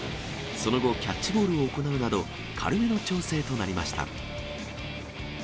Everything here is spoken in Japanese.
その後、キャッチボールを行うなど、軽めの調整となりました。